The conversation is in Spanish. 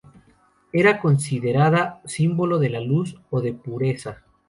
Era considerada símbolo de la luz o de pureza.